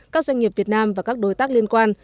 các doanh nghiệp việt nam và các đối tác liên quan